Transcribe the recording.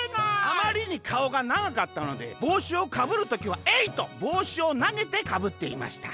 「あまりにかおがながかったのでぼうしをかぶる時はえい！とぼうしをなげてかぶっていました。